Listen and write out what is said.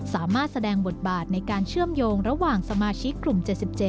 สามารถแสดงบทบาทในการเชื่อมโยงระหว่างสมาชิกกลุ่ม๗๗